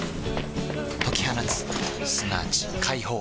解き放つすなわち解放